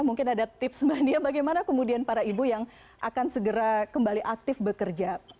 mungkin ada tips mbak nia bagaimana kemudian para ibu yang akan segera kembali aktif bekerja